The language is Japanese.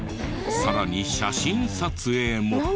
さらに写真撮影も。